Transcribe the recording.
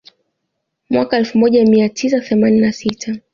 Mwaka elfu moja mia tisa themanini na sita